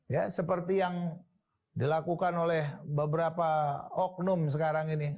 ya seperti yang dilakukan oleh beberapa oknum sekarang ini